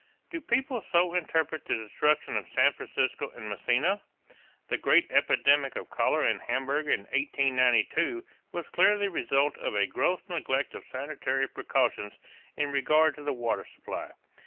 Do people so interpret the destruction of San Francisco and Messina? The great epidemic of cholera in Hamburg in 1892 was clearly the result of a gross neglect of sanitary precautions in regard to the water supply.